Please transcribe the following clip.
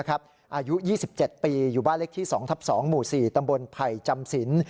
อายุ๒๗ปีอยู่บ้านเล็กที่๒ทับ๒หมู่๔ตำบลไผ่จำสิน